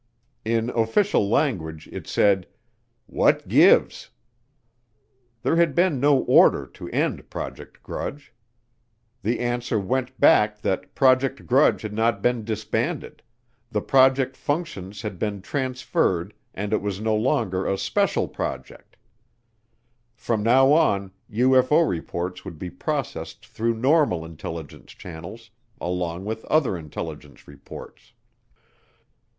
In official language it said, "What gives?" There had been no order to end Project Grudge. The answer went back that Project Grudge had not been disbanded; the project functions had been transferred and it was no longer a "special" project. From now on UFO reports would be processed through normal intelligence channels along with other intelligence reports.